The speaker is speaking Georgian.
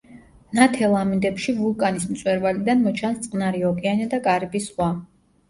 ნათელ ამინდებში ვულკანის მწვერვალიდან მოჩანს წყნარი ოკეანე და კარიბის ზღვა.